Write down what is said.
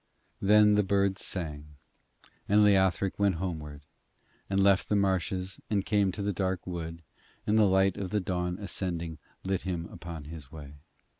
Then the birds sang, and Leothric went homeward, and left the marshes and came to the dark wood, and the light of the dawn ascending lit him upon his way.